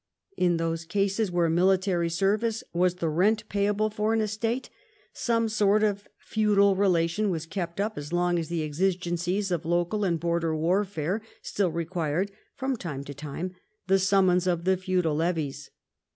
In those cases where military service was the rent payable for an estate, some sort of feudal relation was kept up as long as the exigencies of local and border warfare still required from time to time the summons of the feudal levies.